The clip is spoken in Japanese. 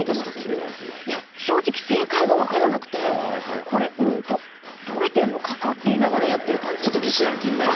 正直、正解が分からなくて研げているのかな？と言いながらやっている感じ。